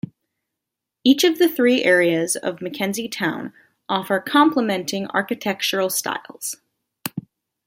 Each of the three areas of McKenzie Towne offer complimenting architectural styles.